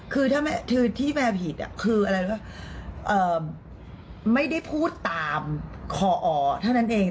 คือที่แมวผิดคืออะไรก็ไม่ได้พูดตามคอเท่านั้นเอง